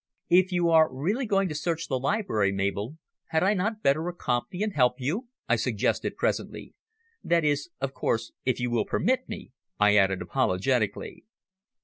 "If you are really going to search the library, Mabel, had I not better accompany and help you?" I suggested presently. "That is, of course, if you will permit me," I added apologetically.